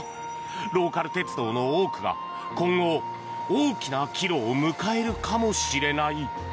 ローカル鉄道の多くが今後、大きな岐路を迎えるかもしれない。